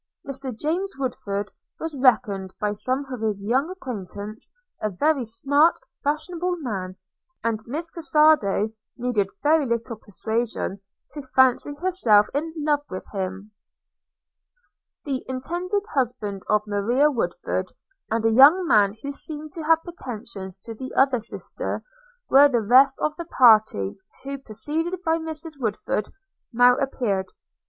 Mr James Woodford was reckoned, by some of his young acquaintance, a very smart, fashionable man; and Miss Cassado needed very little persuasion to fancy herself in love with him. The intended husband of Maria Woodford, and a young man who seemed to have pretensions to the other sister, were the rest of the party; who, preceded by Mrs Woodford, now appeared.